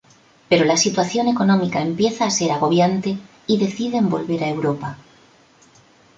Pero la situación económica empieza a ser agobiante y deciden volver a Europa.